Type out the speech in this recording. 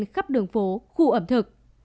khắp đường phố khu ẩm thực